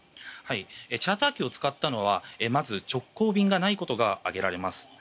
チャーター機を使ったのはまず直行便がないことが挙げられます。